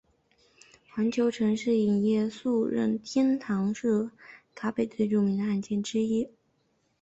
环球城市影业诉任天堂案是卡比最著名的案件之一。